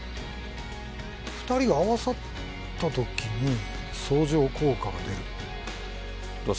ふたりが合わさった時に相乗効果が出る。